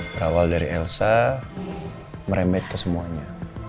berawal dari elsa meremet ke semuanya